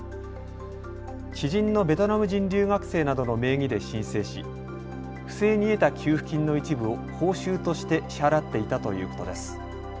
知人のベトナム人留学生などの名義で申請し不正に得た給付金の一部を報酬として支払っていたということです。